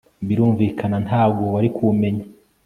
birumvikana ntago wari kumenya